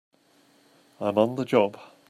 I'm on the job!